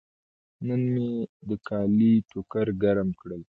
نن مې د کالي ټوکر ګرم کړل.